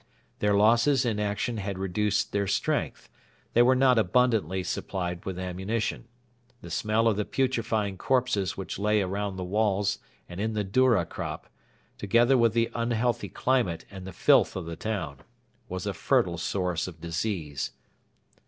Their losses in action had reduced their strength. They were not abundantly supplied with ammunition. The smell of the putrefying corpses which lay around the walls and in the doura crop, together with the unhealthy climate and the filth of the town, was a fertile source of disease.